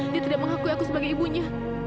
dia tidak mengakui aku sebagai ibunya